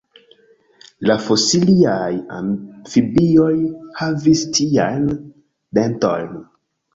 La fosiliaj amfibioj havis tiajn dentojn.